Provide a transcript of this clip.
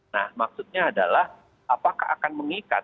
nah maksudnya adalah apakah akan mengikat